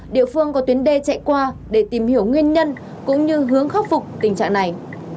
địa phương có tuyến đê chạy qua để tìm hiểu nguyên nhân cũng như hướng khắc phục tình trạng này